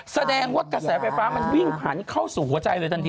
แสดงว่ากระแสไฟฟ้ามันวิ่งผ่านเข้าสู่หัวใจเลยทันที